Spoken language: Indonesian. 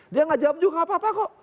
dia nggak jawab juga gak apa apa kok